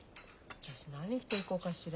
私何着ていこうかしら。